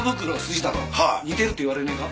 似てるって言われねえか？